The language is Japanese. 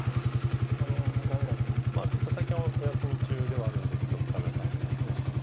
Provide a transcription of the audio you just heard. あのちょっと最近はお休み中ではあるんですけど深浦さんがですね。